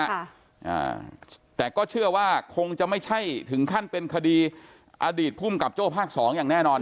อ่าแต่ก็เชื่อว่าคงจะไม่ใช่ถึงขั้นเป็นคดีอดีตภูมิกับโจ้ภาคสองอย่างแน่นอน